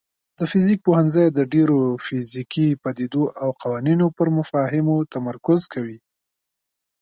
د فزیک پوهنځی د ډیرو فزیکي پدیدو او قوانینو پر مفاهیمو تمرکز کوي.